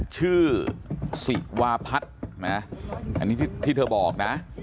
ชื่อสิวาพรรดิที่เธอบอก